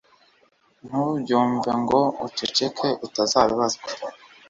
ntubyumve ngo uceceke utazabibazwa